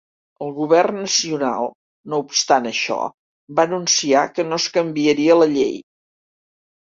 El govern nacional, no obstant això, va anunciar que no es canviaria la llei.